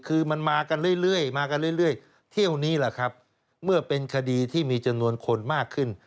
คือมันมากันเรื่อยเท่านี้แหละครับเมื่อเป็นคดีที่มีจำนวนคนมากขึ้น